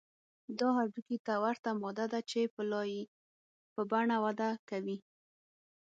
دا هډوکي ته ورته ماده ده چې په لایې په بڼه وده کوي